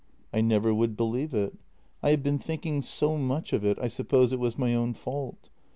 I never would believe it. I have been thinking so much of it, I suppose it was my own fault.